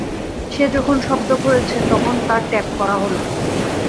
সে যখন শব্দ করেছে তখন তা টেপ করা হল।